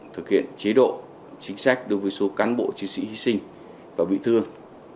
thực hiện chế độ chính sách đối với số cán bộ chiến sĩ hy sinh và bị thương